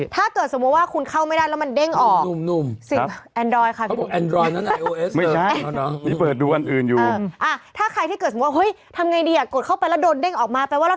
ถ้าเกิดสมมุติว่าคุณเข้าไม่ได้แล้วมันเด้งออก